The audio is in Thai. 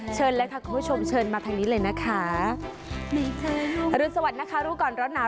เชิญเลยค่ะคุณผู้ชมเชิญมาทางนี้เลยนะคะนี่ค่ะอรุณสวัสดินะคะรู้ก่อนร้อนหนาว